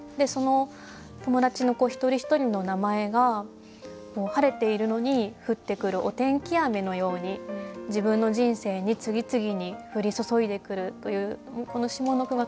その友達の子一人一人の名前が晴れているのに降ってくるお天気雨のように自分の人生に次々に降り注いでくるというこの下の句がとても魅力的で